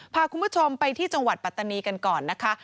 พาคุณผู้ชมไปที่จังหวัดปัตตานีกันก่อนนะคะ